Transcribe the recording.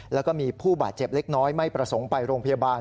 แล้วก็มีผู้บาดเจ็บเล็กน้อยไม่ประสงค์ไปโรงพยาบาล